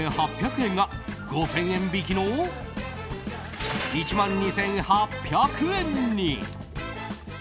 １万７８００円が５０００円引きの１万２８００円に！